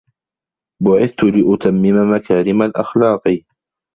بُعِثْتُ لِأُتَمِّمَ مَكَارِمَ الْأَخْلَاقِ